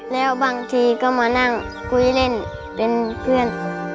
แล้วบางทีก็มานั่งคุยเล่นเป็นเพื่อน